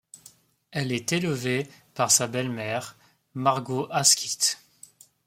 Elle est élevée par sa belle-mère, Margot Asquith.